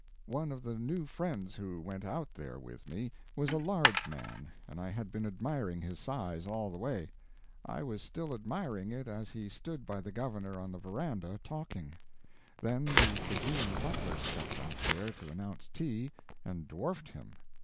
One of the new friends who went out there with me was a large man, and I had been admiring his size all the way. I was still admiring it as he stood by the governor on the veranda, talking; then the Fijian butler stepped out there to announce tea, and dwarfed him.